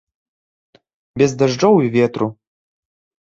Без дажджоў і ветру.